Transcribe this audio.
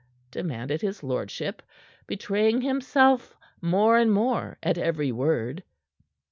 demanded his lordship, betraying himself more and more at every word.